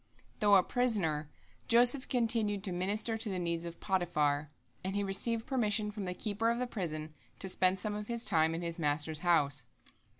Though a prisoner, Joseph continued to minister to the needs of Potiphar, and he received permission from the keeper of the prison to spend some of his time in his master's house.